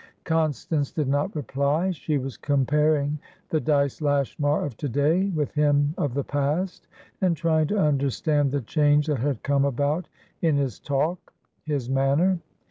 Constance did not reply. She was comparing the Dyce Lashmar of to day with him of the past, and trying to understand the change that had come about in his talk, his manner.